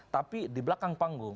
tapi di belakang panggung